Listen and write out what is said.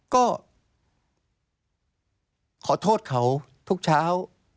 ก็ขอโทษเขาทุกเช้า